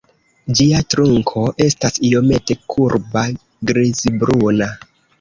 Ĝia trunko estas iomete kurba, grizbruna.